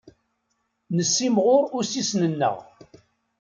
Nessimɣur ussisen-nneɣ.